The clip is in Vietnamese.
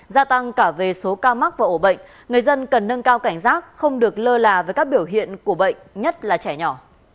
gia tăng cả về số ca mắc và ổ bệnh người dân cần nâng cao cảnh giác không được lơ là với các biểu hiện của bệnh nhất là trẻ nhỏ